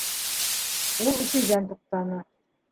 Ул үҫеүҙән туҡтаны.